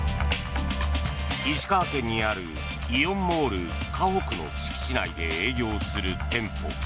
石川県にあるイオンモールかほくの敷地内で営業する店舗。